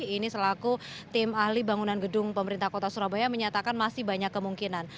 ini selaku tim ahli bangunan gedung pemerintah kota surabaya menyatakan masih banyak kemungkinan